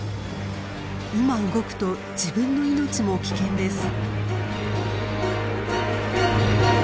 今動くと自分の命も危険です。